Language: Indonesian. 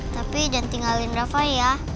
tapi jangan tinggalin berapa ya